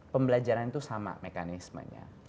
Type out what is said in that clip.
pembelajaran itu sama mekanismenya